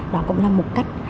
đó cũng là một cách